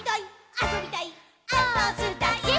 「あそびたいっ！！」